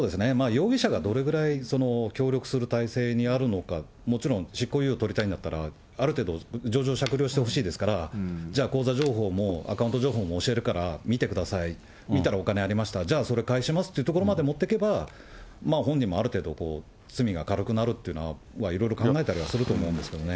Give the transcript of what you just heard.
容疑者がどれぐらい、協力する態勢にあるのか、もちろん、執行猶予取りたいんだったら、ある程度、情状酌量してほしいですから、じゃあ口座情報も、アカウント情報も教えるから見てください、見たらお金ありました、じゃあ、それ返しますっていうところまでに持っていけば、本人もある程度、罪は軽くなるとか、いろいろ考えたりはすると思うんですけどね。